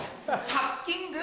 ハッキング！